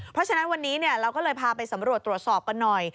เพราะฉะนั้นวันนี้เราก็เลยพาไปสำรวจตรวจสอบกันหน่อย